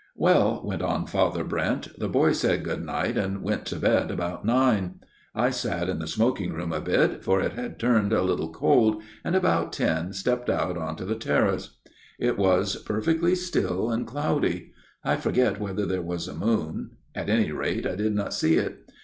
" Well," went on Father Brent, " the boy said good night and went to bed about nine. I sat in the smoking room a bit, for it had turned a little cold, and about ten stepped out onto the terrace. " It was perfectly still and cloudy. I forget whether there was a moon. At any rate I did not see it.